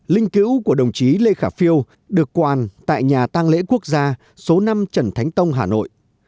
linh cứu của đồng chí lê khả phiêu được quàn tại nhà tăng lễ quốc gia số năm trần thánh tông hà nội